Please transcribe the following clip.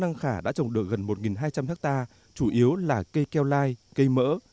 đăng khả đã trồng được gần một hai trăm linh hectare chủ yếu là cây keo lai cây mỡ